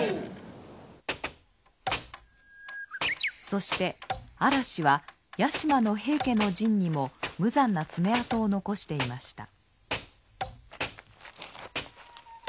そして嵐は屋島の平家の陣にも無残な爪痕を残していました。